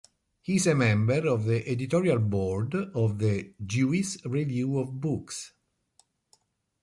He is a member of the Editorial Board of the "Jewish Review of Books".